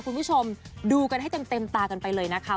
คุณผู้ชมดูกันให้เต็มตากันไปเลยนะคะ